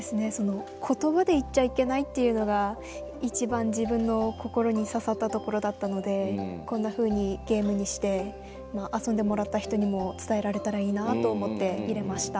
言葉で言っちゃいけないっていうのが一番自分の心に刺さったところだったのでこんなふうにゲームにして遊んでもらった人にも伝えられたらいいなと思って入れました。